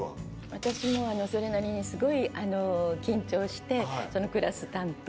私もそれなりにすごい緊張して。